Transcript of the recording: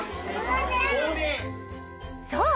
そう！